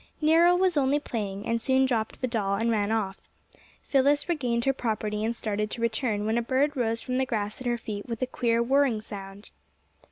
Nero was only playing, and soon dropped the doll and ran off. Phyllis regained her property and started to return, when a bird rose from the grass at her feet with a queer whirring sound.